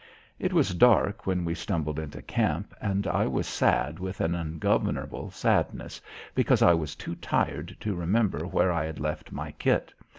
It was dark when we stumbled into camp, and I was sad with an ungovernable sadness, because I was too tired to remember where I had left my kit.